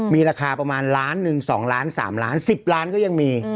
มีราคาประมาณล้านหนึ่ง๒ล้าน๓ล้าน๑๐ล้านก็ยังมี